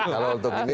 kalau untuk ini tujuh